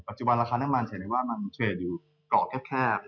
ปัจจุบันราคาน้ำมันเฉยว่ามันเฉยดูเกาะแคบ